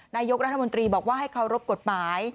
นายกรัฐมนตรีบอกว่าให้เคารพกฎหมาย